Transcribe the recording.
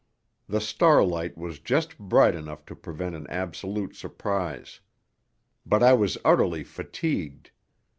The star light was just bright enough to prevent an absolute surprize. But I was utterly fatigued.